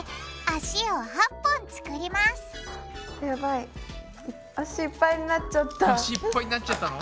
脚いっぱいになっちゃったの？